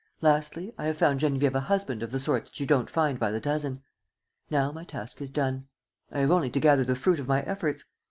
Lastly, I have found Geneviève a husband of the sort that you don't find by the dozen. Now my task is done. I have only to gather the fruit of my efforts.